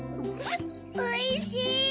おいしい！